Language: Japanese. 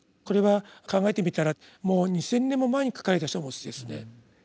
これは考えてみたらもう２，０００年も前に書かれた書物ですね。